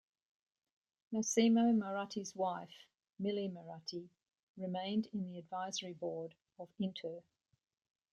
Massimo Moratti's wife, Milly Moratti, remained in the Advisory Board of Inter.